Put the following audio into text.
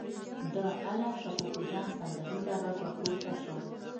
د الله شا کوکو جان سندریزه غږ به پورته شو.